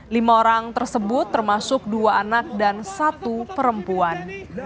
lima orang tersebut termasuk dua anak dan satu perempuan